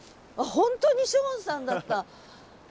本当にショーンさんだった。